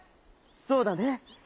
「そうだね。